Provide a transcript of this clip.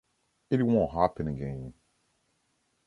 It won’t happen again.